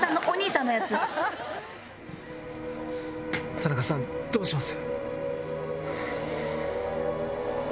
田中さんどうします？